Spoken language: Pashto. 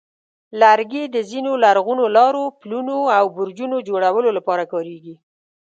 لرګي د ځینو لرغونو لارو، پلونو، او برجونو جوړولو لپاره کارېږي.